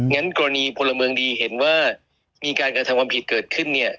งั้นกรณีพลเมืองดีเห็นว่ามีการกระทำความผิดเกิดขึ้นเนี่ย